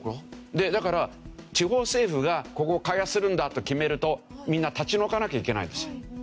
でだから地方政府がここを開発するんだと決めるとみんな立ち退かなきゃいけないんです。